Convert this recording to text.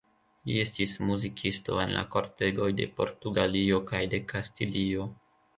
Li estis muzikisto en la kortegoj de Portugalio kaj de Kastilio.